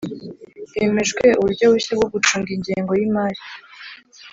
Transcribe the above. hemejwe uburyo bushya bwo gucunga ingengo y'imari